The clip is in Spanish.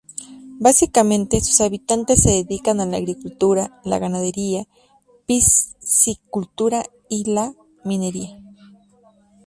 Básicamente, sus habitantes se dedican a la agricultura, la ganadería, piscicultura y la minería.